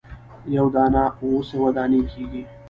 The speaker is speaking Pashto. یوه دانه اووه سوه دانې کیږي.